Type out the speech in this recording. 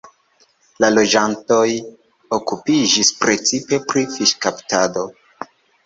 La loĝantoj okupiĝis precipe pri fiŝkaptado.